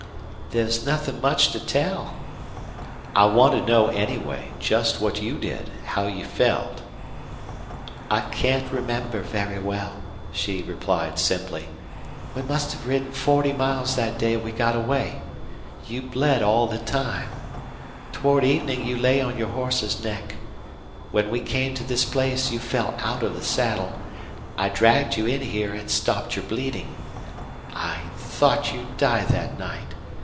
"There's nothing much to tell." "I want to know, anyway, just what you did how you felt." "I can't remember very well," she replied, simply. "We must have ridden forty miles that day we got away. You bled all the time. Toward evening you lay on your horse's neck. When we came to this place you fell out of the saddle. I dragged you in here and stopped your bleeding. I thought you'd die that night.